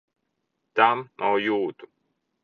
Tam nav jūtu!